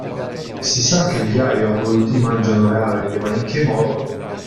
Si sa che gli "ayu" adulti mangiano le alghe, ma in che modo?